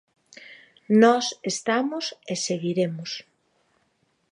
Nós estamos e seguiremos.